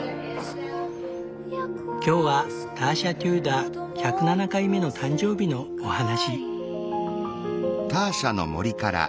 今日はターシャ・テューダー１０７回目の誕生日のお話。